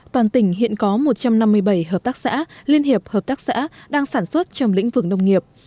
toàn tỉnh hiện có một trăm năm mươi bảy hợp tác xã liên hiệp hợp tác xã đang sản xuất trong lĩnh vực nông nghiệp